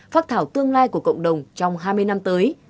phát thảo tương lai của cộng đồng trong hai mươi năm tới